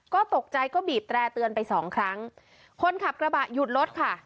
ก็ตกใจก็บีบแตร่เตือนไปสองครั้งคนขับกระบะหยุดรถค่ะ